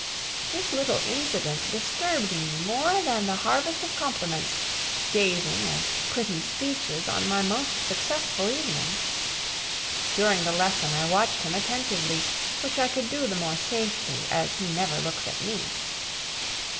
This little incident disturbed me more than the harvest of compliments, gazing and pretty speeches on my most successful evening. During the lesson I watched him attentively, which I could do the more safely, as he never looks at me.